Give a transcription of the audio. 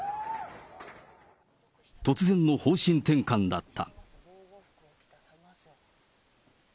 突然の方針転換だった。